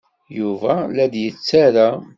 Yuba la d-yettarra.